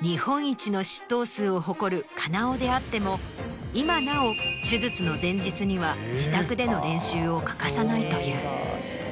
日本一の執刀数を誇る金尾であっても今なお手術の前日には自宅での練習を欠かさないという。